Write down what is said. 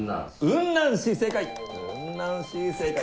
雲南市正解！